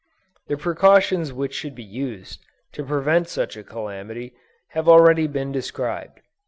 The precautions which should be used, to prevent such a calamity, have been already described.